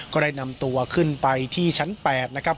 ก็ได้นำตัวขึ้นไปที่ชั้น๘นะครับ